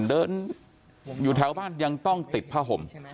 เดินอยู่แถวบ้านยังต้องติดผ้าห่ม